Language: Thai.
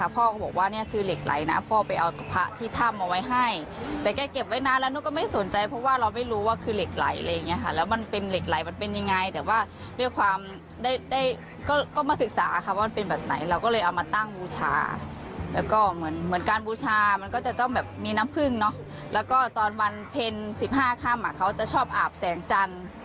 แผ่นสิบห้าค่ำเขาจะชอบอาบแสงจันทร์